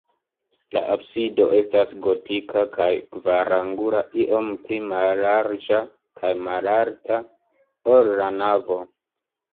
La absido estas gotika kaj kvarangula, iom pli mallarĝa kaj malalta, ol la navo.